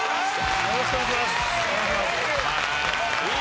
よろしくお願いします。